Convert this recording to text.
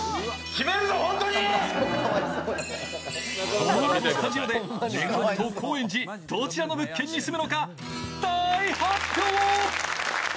このあとスタジオで目黒区と高円寺どちらの物件に住むのか大発表！